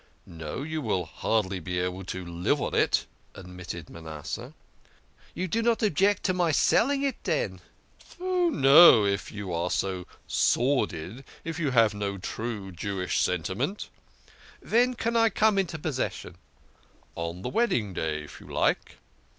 "No, you will hardly be able to live on it," admitted Manasseh. " You do not object to my selling it, den? "" Oh, no ! If you are so sordid, if you have no true Jewish sentiment !"" Ven can I come into possession ?" "On the wedding day if you like."